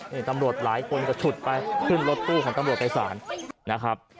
นี่ตำรวจหลายคนก็ฉุดไปขึ้นรถตู้ของตำรวจไปศาลนะครับ